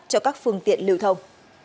cho các phương tiện lưu thông